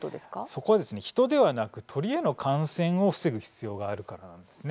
そこはですね人ではなく鳥への感染を防ぐ必要があるからなんですね。